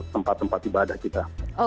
tempat tempat ibadah kita